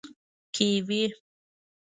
🥝 کیوي